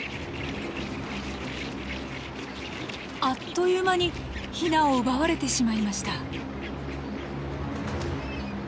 あっという間にヒナを奪われてしまいました。